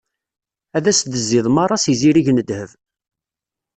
Ad as-d-tezziḍ meṛṛa s izirig n ddheb.